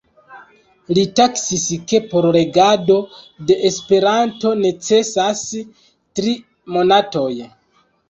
li taksis ke por regado de Esperanto necesas tri monatoj.